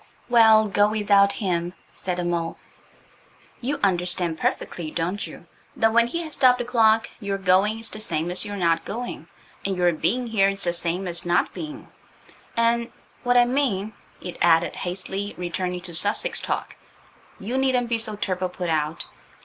"Well, go without him," said the mole. "You understand perfectly, don't you, that when he has stopped the clock your going is the same as your not going, and your being here is the same as not being, and–What I mean," it added, hastily returning to Sussex talk, "you needn't be so turble put out.